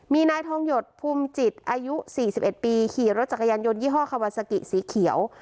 มีนายทองหยดภูมิจิตอายุ๔๑ปีขี่รถจักรยานยนยี่ห้อคาวาซากิสีเขียว